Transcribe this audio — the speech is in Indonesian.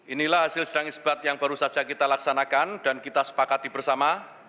inilah hasil sidang isbat yang baru saja kita laksanakan dan kita sepakati bersama